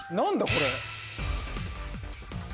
これ。